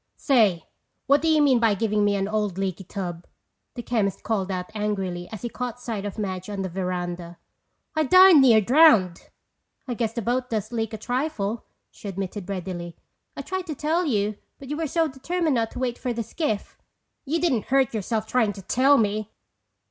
"Say, what do you mean by giving me an old leaky tub?" the chemist called out angrily as he caught sight of Madge on the veranda. "I darn near drowned!" "I guess the boat does leak a trifle," she admitted readily. "I tried to tell you but you were so determined not to wait for the skiff." "You didn't hurt yourself trying to tell me!